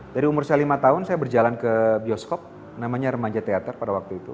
dari umur saya lima tahun saya berjalan ke bioskop namanya remaja teater pada waktu itu